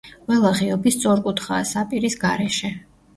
ყველა ღიობი სწორკუთხაა, საპირის გარეშე.